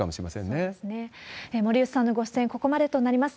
そうですね、森内さんのご出演、ここまでとなります。